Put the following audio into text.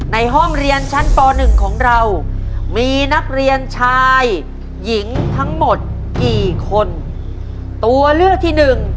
ในห้องเรียนชั้นปหนึ่งของเรามีนักเรียนชายหญิงทั้งหมดกี่คนตัวเลือกที่หนึ่ง